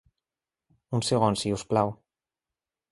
Un segon, si us plau.